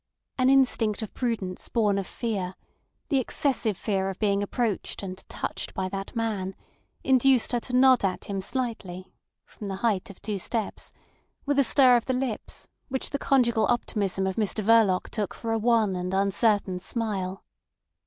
An instinct of prudence born of fear, the excessive fear of being approached and touched by that man, induced her to nod at him slightly (from the height of two steps), with a stir of the lips which the conjugal optimism of Mr Verloc took for a wan and uncertain smile.